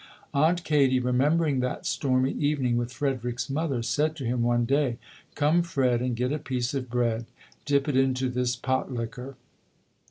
Aunt Katie, remembering that stormy evening with Frederick's mother, said to him one day, "Come, Fred, and get a piece of bread. Dip it into this pot liquor".